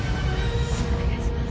お願いします。